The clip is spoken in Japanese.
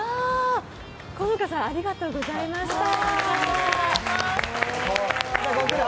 好花さん、ありがとうございました。